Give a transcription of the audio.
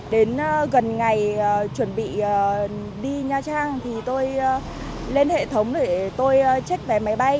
đến gần ngày chuẩn bị đi nha trang thì tôi lên hệ thống để tôi check vé máy bay